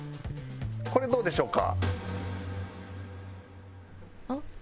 これどうでしょうか？